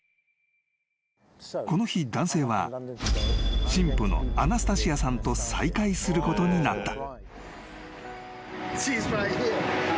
［この日男性は新婦のアナスタシアさんと再会することになった］